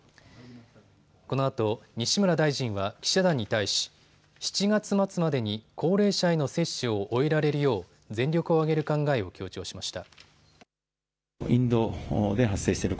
このあと西村大臣は記者団に対し７月末までに高齢者への接種を終えられるよう全力を挙げる考えを強調しました。